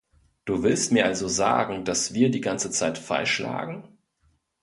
Du willst mir also sagen, dass wir die ganze Zeit falsch lagen?